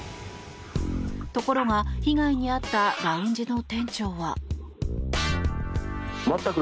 ところが、被害に遭ったラウンジの店長は。